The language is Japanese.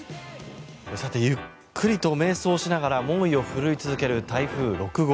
ゆっくりと迷走しながら猛威を振るい続ける台風６号。